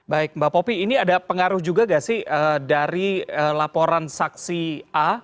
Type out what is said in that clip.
baik mbak popi ini ada pengaruh juga gak sih dari laporan saksi a